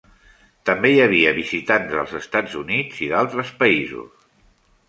També hi havia visitants dels Estats Units i d'altres països.